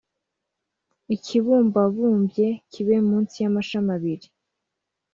ikibumbabumbye kibe munsi y’amashami abiri